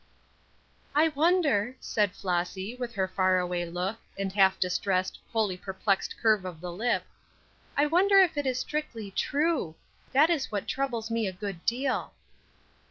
"I wonder," said Flossy, with her far away look, and half distressed, wholly perplexed curve of the lip "I wonder if it is strictly true; that is what troubles me a good deal."